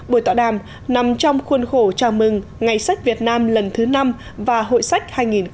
buổi tọa đàm nằm trong khuôn khổ chào mừng ngày sách việt nam lần thứ năm và hội sách hai nghìn một mươi chín